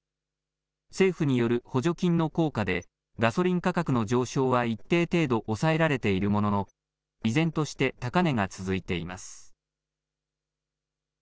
政府による補助金の効果で、ガソリン価格の上昇は一定程度、抑えられているものの、依然として高値が続いています。